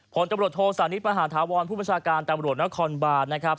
ผลตำรวจโทษานิทมหาธาวรผู้ประชาการตำรวจนครบานนะครับ